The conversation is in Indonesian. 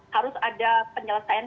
harus ada penyelesaian